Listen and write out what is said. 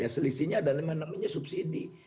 selisihnya ada namanya subsidi